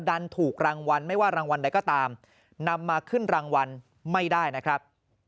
ดันถูกรางวัลไม่ว่ารางวัลใดก็ตามนำมาขึ้นรางวัลไม่ได้นะครับ